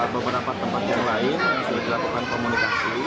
beberapa tempat yang lain sudah dilakukan komunikasi